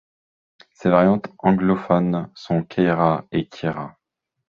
Ses variantes anglophones sont Keira et Kira.